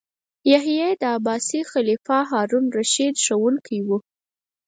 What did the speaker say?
یحیی د عباسي خلیفه هارون الرشید ښوونکی و.